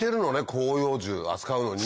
広葉樹扱うのにね。